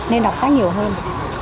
nên đọc sách nhiều hơn